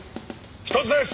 １つです！